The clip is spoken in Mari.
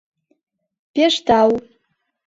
Пеш тау!